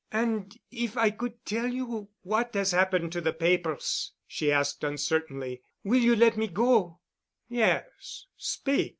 "And if I could tell you what has happened to the papers," she asked uncertainly, "will you let me go?" "Yes—speak."